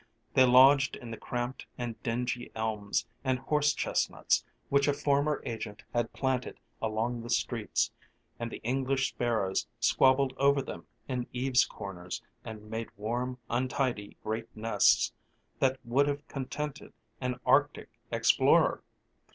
They lodged in the cramped and dingy elms and horse chestnuts which a former agent had planted along the streets, and the English sparrows squabbled over them in eaves corners and made warm, untidy great nests that would have contented an Arctic explorer.